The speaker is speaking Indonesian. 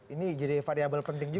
ini jadi variable penting juga